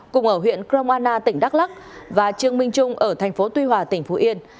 cùng ở huyện kroana tỉnh đắk lắc và trương minh trung ở thành phố tuy hòa tỉnh phú yên